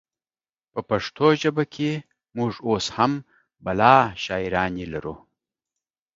په پښتو ژبه کې مونږ اوس هم بلها شاعرانې لرو